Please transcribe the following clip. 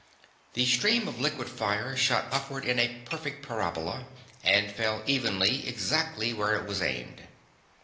The stream of liquid fire shot upward in a perfect parabola, and fell evenly, exactly, where it was aimed.